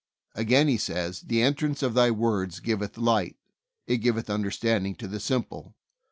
Again he says, "The entrance of Thy words giveth light ; it giveth understanding to the simple."